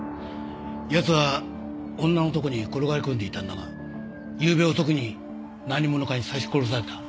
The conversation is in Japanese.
奴は女のところに転がり込んでいたんだがゆうべ遅くに何者かに刺し殺された。